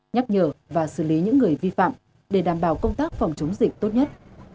nhắc nhở và xử lý những người vi phạm để đảm bảo công tác phòng chống dịch tốt nhất